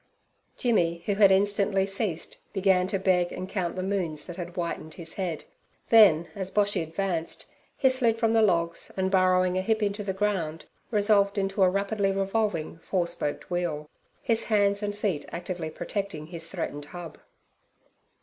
Jimmy, who had instantly ceased, began to beg and count the moons that had whitened his head; then, as Boshy advanced, he slid from the logs, and burrowing a hip into the ground, resolved into a rapidly revolving four spoked wheel, his hands and feet actively protecting his threatened hub.